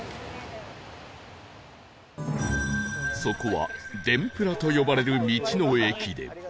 そこは「でんぷら」と呼ばれる道の駅で